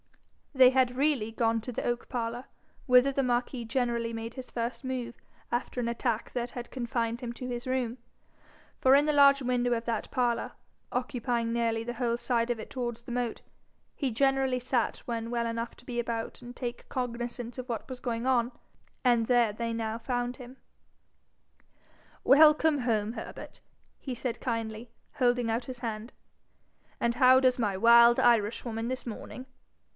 They had really gone to the oak parlour, whither the marquis generally made his first move after an attack that had confined him to his room; for in the large window of that parlour, occupying nearly the whole side of it towards the moat, he generally sat when well enough to be about and take cognizance of what wa's going on; and there they now found him. 'Welcome home, Herbert!' he said, kindly, holding out his hand. 'And how does my wild Irishwoman this morning?